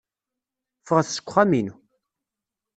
Ffɣet seg uxxam-inu.